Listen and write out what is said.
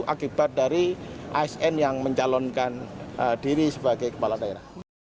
akibat dari asn yang mencalonkan diri sebagai kepala daerah